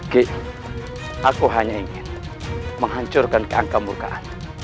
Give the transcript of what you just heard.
ki aku hanya ingin menghancurkan keangka murkaan